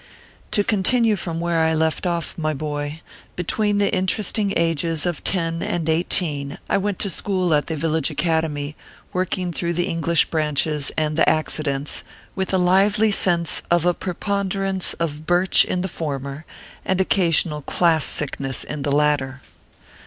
To continue from where I left off, my boy : be tween the interesting ages of ten and eighteen I went to school at the village academy, working through the English branches and the Accidence, with a lively sense of a preponderance of birch in the former, and occasional class sickness in the latter.